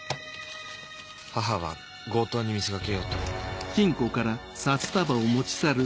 母は強盗に見せかけようと。